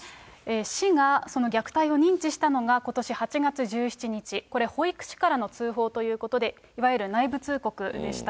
市がその虐待を認知したのがことし８月１７日、これ、保育士からの通報ということで、いわゆる内部通告でした。